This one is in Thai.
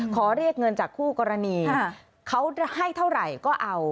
ขอเรียกเงินจากคู่กรณีเขาให้เท่าไหร่ก็เอา